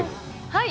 はい。